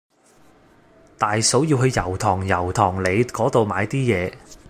大嫂要去油塘油塘里嗰度買啲嘢